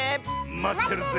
まってるぜ。